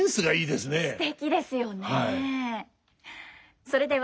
すてきですよね。